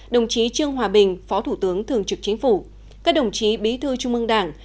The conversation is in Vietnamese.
đồng chí trương hòa bình phó thủ tướng thường trực chính phủ các đồng chí bí thư trung mương đảng